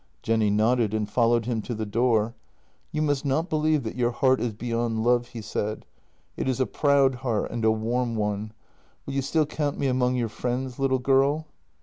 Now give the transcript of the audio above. Jenny nodded, and followed him to the door. " You must not believe that your heart is beyond love," he said; "it is a proud heart — and a warm one. Will you still count me among your friends, little girl?